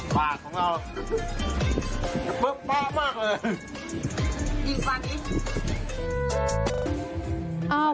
ปากของเราจะเปิดป้ามากเลย